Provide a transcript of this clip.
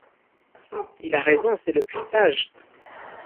Il a raison, c’est le plus sage.